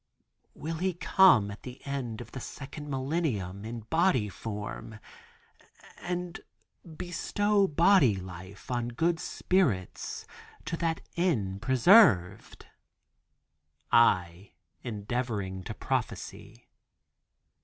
"Will He come at the end of the second millennium in body form and bestow body life on good spirits to that end preserved?" I, endeavoring to prophecy.